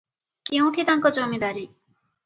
କେଉଁଠି ତାଙ୍କ ଜମିଦାରୀ?